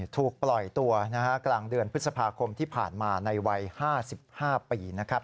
ถูกปล่อยตัวกลางเดือนพฤษภาคมที่ผ่านมาในวัย๕๕ปีนะครับ